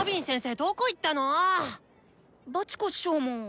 どこいったの⁉バチコ師匠も。